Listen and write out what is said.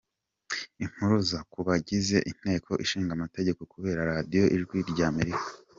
Impuruza ku bagize Inteko Ishinga Amategeko kubera Radiyo Ijwi rya Amerika